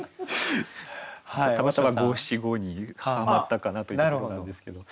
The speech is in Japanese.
たまたま五七五にはまったかなという感じなんですけど。